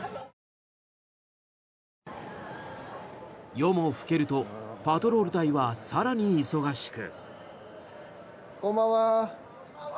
夜も更けるとパトロール隊は更に忙しく。